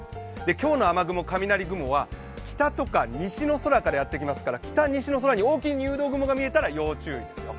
今日の雨雲、雷雲は北や西の空にやってきますので、北、西の空に大きい入道雲が見えたら要注意ですよ。